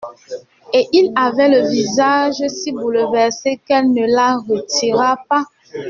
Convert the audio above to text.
Et il avait le visage si bouleversé, qu'elle ne la retira pas.